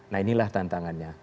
nah inilah tantangannya